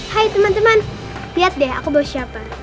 hai teman teman lihat deh aku baru siapa